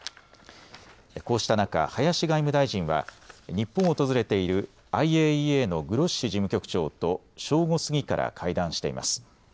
こうした中、林外務大臣は日本を訪れているＩＡＥＡのグロッシ事務局長と正午過ぎから会談しています。